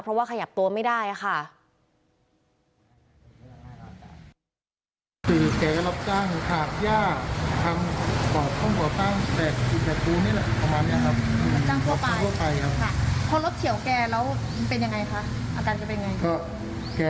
เพราะว่าขยับตัวไม่ได้ค่ะ